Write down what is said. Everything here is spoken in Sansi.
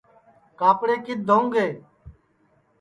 کاپڑے کِدؔ دھوں گے